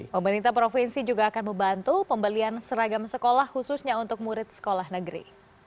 pemerintah provinsi juga akan membantu pembelian seragam sekolah khususnya untuk murid sekolah negeri